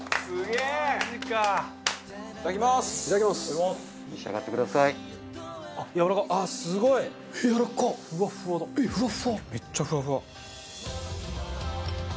めっちゃふわふわ。